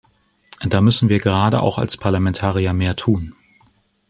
Da müssen wir gerade auch als Parlamentarier mehr tun!